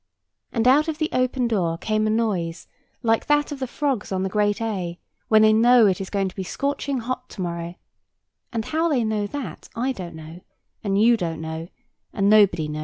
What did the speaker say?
And out of the open door came a noise like that of the frogs on the Great A, when they know that it is going to be scorching hot to morrow—and how they know that I don't know, and you don't know, and nobody knows.